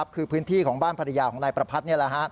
คือพื้นที่ของบ้านภรรยาของนายประพัทธ์